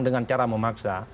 dengan cara memaksa